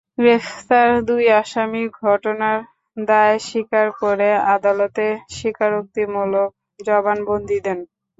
গ্রেপ্তার দুই আসামি ঘটনার দায় স্বীকার করে আদালতে স্বীকারোক্তিমূলক জবানবন্দি দেন।